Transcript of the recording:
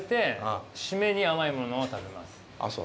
ああそう。